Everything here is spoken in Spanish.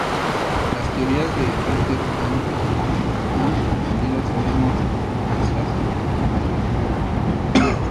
Las teorías de Ritter han tenido asimismo implicancias en la geografía política.